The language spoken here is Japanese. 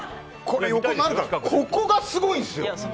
横のここがすごいんですよ！